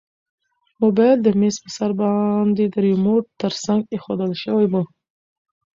موبایل د میز په سر باندې د ریموټ تر څنګ ایښودل شوی و.